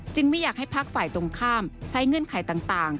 ไม่อยากให้พักฝ่ายตรงข้ามใช้เงื่อนไขต่าง